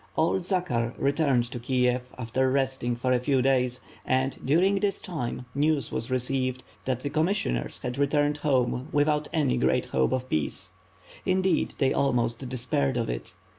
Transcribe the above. Old Zakhar returned to Kiev after resting a few days and, during this time, news was received that the commissioners had returned home without any great hope of peace; indeed, they almost despaired of it.